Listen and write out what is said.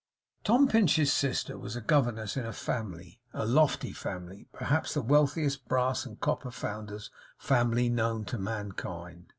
Tom Pinch's sister was governess in a family, a lofty family; perhaps the wealthiest brass and copper founders' family known to mankind.